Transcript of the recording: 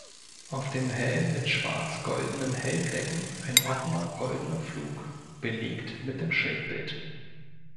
Auf dem Helm mit schwarz-goldenen Helmdecken ein offener goldener Flug, belegt mit dem Schildbild.